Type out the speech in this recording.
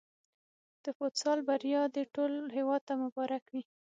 د فوتسال بریا دې ټول هېواد ته مبارک وي.